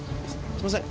すみません。